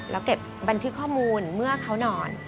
แล้วเก็บบันทึกข้อมูลเมื่อเขานอน